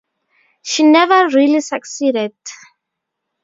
She never really succeeded.